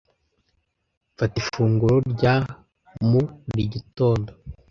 Mfata ifunguro rya mu buri gitondo.